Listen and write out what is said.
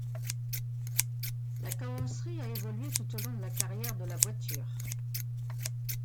La carrosserie a évolué tout au long de la carrière de la voiture.